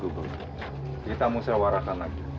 kita musawarakan lagi